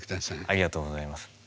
ありがとうございます。